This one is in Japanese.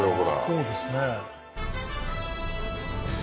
そうですね